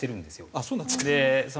あっそうなんですか。